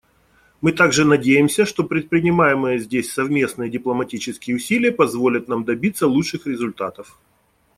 Мы также надеемся, что предпринимаемые здесь совместные дипломатические усилия позволят нам добиться лучших результатов.